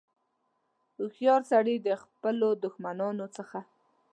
هوښیار سړي د خپلو دښمنانو څخه.